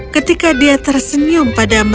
ketika dia tersenyum pada malam